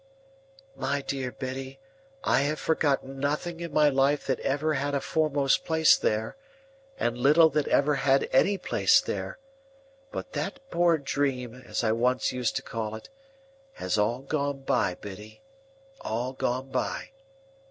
"My dear Biddy, I have forgotten nothing in my life that ever had a foremost place there, and little that ever had any place there. But that poor dream, as I once used to call it, has all gone by, Biddy,—all gone by!"